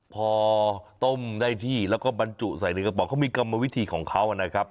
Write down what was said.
พอต้มได้ที่แล้วก็บรรจุใส่ในกระป๋องเขามีกรรมวิธีของเขานะครับ